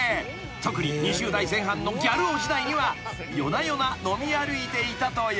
［特に２０代前半のギャル男時代には夜な夜な飲み歩いていたという］